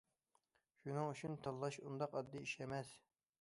شۇنىڭ ئۈچۈن تاللاش ئۇنداق ئاددىي ئىش ئەمەس.